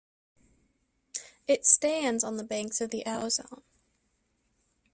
It stands on the banks of the Auzon.